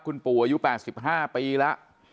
คุณปู่อายุ๘๕ปีแล้ว